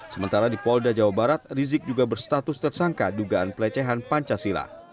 sementara di polda jawa barat rizik juga berstatus tersangka dugaan pelecehan pancasila